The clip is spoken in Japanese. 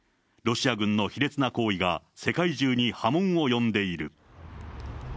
ロシア軍の卑劣な行為が世界中に波紋を呼んでいる。